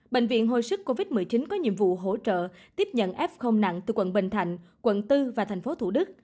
bệnh viện hồi sức covid một mươi chín có nhiệm vụ hỗ trợ tiếp nhận f nặng từ quận bình thạnh quận bốn và tp thủ đức